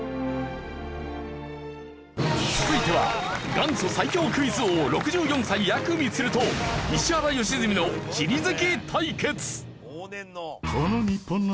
続いては元祖最強クイズ王６４歳やくみつると石原良純の地理好き対決！